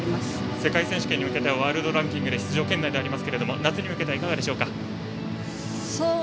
世界選手権に向けてワールドランキング出場圏内ですけど夏に向けてはいかがでしょうか？